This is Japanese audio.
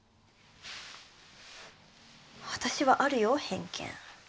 私はあるよ偏見。